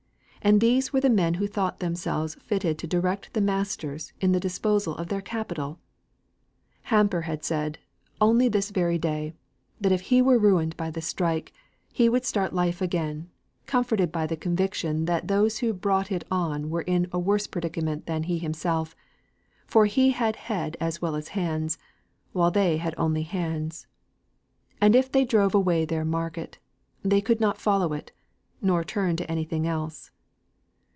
And these were the men who thought themselves fitted to direct the masters in the disposal of their capital; Hamper had said, only this very day, that if he were ruined by the strike, he would start life again, comforted by the conviction that those who had brought it on were in a worse predicament than he himself, for he had head as well as hands, while they had only hands; and if they drove away their market, they could not follow it, nor turn to anything else.